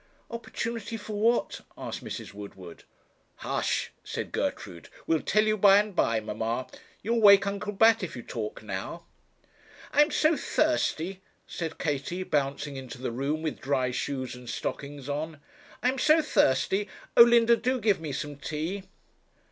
'Opportunity for what?' asked Mrs. Woodward. 'Hush,' said Gertrude, 'we'll tell you by and by, mamma. You'll wake Uncle Bat if you talk now.' 'I am so thirsty,' said Katie, bouncing into the room with dry shoes and stockings on. 'I am so thirsty. Oh, Linda, do give me some tea.'